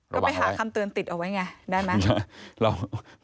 ก็ไปหาคำเตือนติดเอาไว้ไงได้ไหม